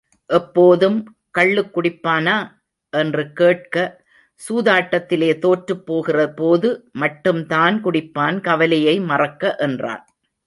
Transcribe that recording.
எப்போதும் கள்ளுக் குடிப்பானா? என்று கேட்க சூதாட்டத்திலே தோற்றுப் போகிறபோது மட்டும் தான் குடிப்பான், கவலையை மறக்க என்றான்.